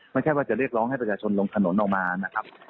ไม่ใช่ว่าจะเรียกร้องให้ประชาชนลงถนนออกมานะครับ